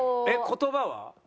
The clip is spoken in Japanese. えっ言葉は？